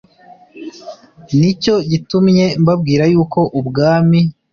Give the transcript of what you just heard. Ni cyo gitumye mbabwira yuko ubwami